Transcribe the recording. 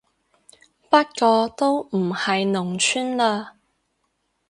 不過都唔係農村嘞